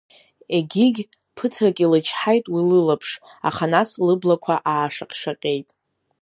Егьыгь ԥыҭрак илычҳаит уи лылаԥш, аха нас лыблақәа аашаҟь-шаҟьеит…